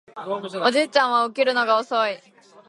おじいちゃんは起きるのが遅い